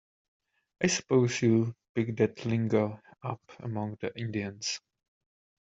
I suppose you picked that lingo up among the Indians.